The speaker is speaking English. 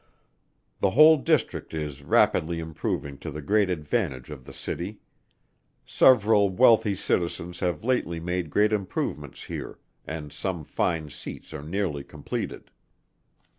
The whole district is rapidly improving to the great advantage of the city. Several wealthy citizens have lately made great improvements here, and some fine seats are nearly completed.